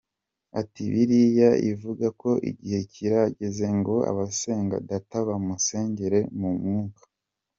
Ati “Bibiriya ivuga ko Igihe kirageze ngo abasenga Data bamusengere mu mwuka.